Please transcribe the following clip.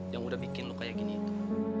yang udah bikin lo kayak gini itu